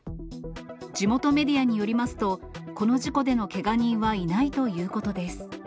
地元メディアによりますと、この事故でのけが人はいないということです。